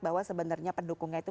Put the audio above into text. bahwa sebenarnya pendukungnya itu